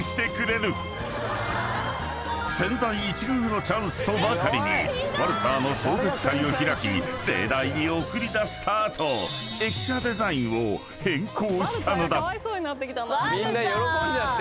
［千載一遇のチャンスとばかりにバルツァーの送別会を開き盛大に送り出した後駅舎デザインを変更したのだ］